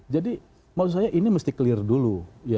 jadi maksud saya ini mesti clear dulu